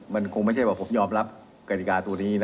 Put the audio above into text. มันคงไม่ใช่ว่าผมยอมรับกฎิกาตัวนี้นะ